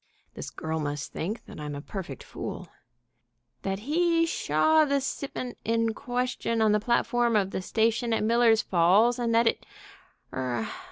(this girl must think that I'm a perfect fool) ... that he shaw the sipment in question on the platform of the station at Miller's Falls, and that it er